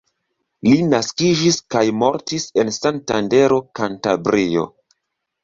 Li naskiĝis kaj mortis en Santandero, Kantabrio.